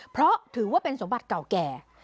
เพราะถือว่าเป็นสมบัติเก่าแก่